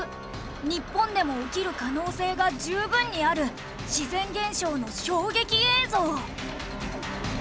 日本でも起きる可能性が十分にある自然現象の衝撃映像。